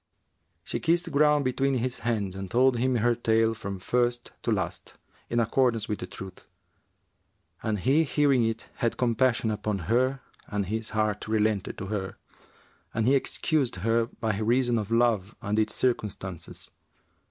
She kissed ground between his hands and told him her tale from first to last, in accordance with the truth; and he hearing it had compassion upon her and his heart relented to her and he excused her by reason of love and its circumstances.